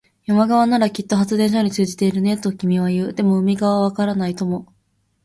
山側ならきっと発電所に通じているね、と君は言う。でも、海側はわからないとも。